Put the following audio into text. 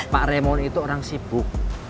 pak remo itu orang sibuk